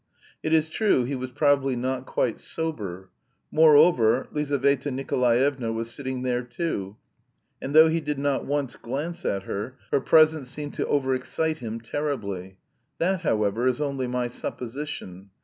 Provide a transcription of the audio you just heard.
It is true he was probably not quite sober. Moreover, Lizaveta Nikolaevna was sitting there too, and though he did not once glance at her, her presence seemed to over excite him terribly; that, however, is only my supposition.